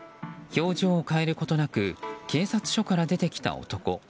表情を変えることなく警察署から出てきた男。